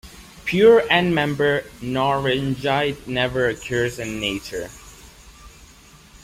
Pure endmember knorringite never occurs in nature.